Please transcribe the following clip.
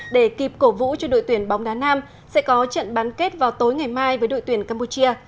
để kịp cổ vũ cho đội tuyển bóng đá nam sẽ có trận bán kết vào tối ngày mai với đội tuyển campuchia